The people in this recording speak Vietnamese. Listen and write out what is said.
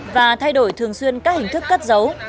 và thay đổi thường xuyên các hình thức cất dấu